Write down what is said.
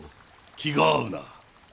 気が合うな。